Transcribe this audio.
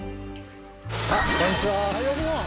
あっこんにちは。